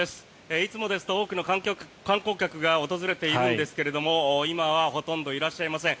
いつもですと多くの観光客が訪れているんですが今はほとんどいらっしゃいません。